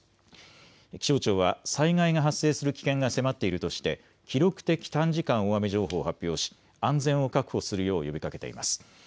気象庁は災害が発生する危険が迫っているとして記録的短時間大雨情報を発表し安全を確保するよう呼びかけています。